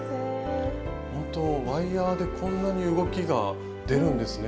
本当ワイヤーでこんなに動きが出るんですね。